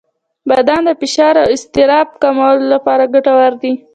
• بادام د فشار او اضطراب کمولو لپاره ګټور دي.